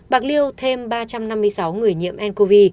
bạc liêu thêm ba trăm năm mươi sáu người nhiễm ncov